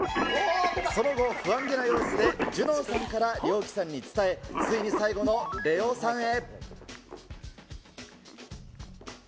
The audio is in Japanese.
その後、不安げな様子で、ジュノンさんからリョーキさんに伝え、ついに最後のレオさんへ。